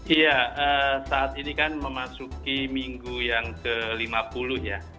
iya saat ini kan memasuki minggu yang ke lima puluh ya